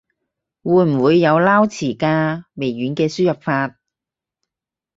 會唔會有撈詞㗎？微軟嘅輸入法